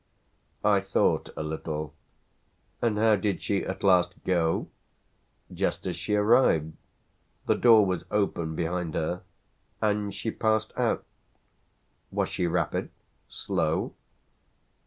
I thought a little. "And how did she at last go?" "Just as she arrived. The door was open behind her, and she passed out." "Was she rapid slow?"